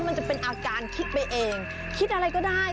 มันจะเป็นอาการคิดไปเองคิดอะไรก็ได้